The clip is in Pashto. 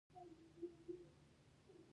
غږ د تندي خوشبو ده